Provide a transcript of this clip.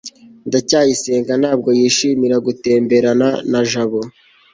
ndacyayisenga ntabwo yishimira gutemberana na jabo